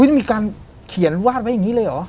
ได้มีการเขียนวาดไว้อย่างนี้เลยเหรอ